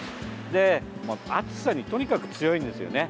で、暑さにとにかく強いんですよね。